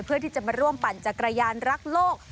เพื่อที่จะมาร่วมปั่นจักรยานรักโลก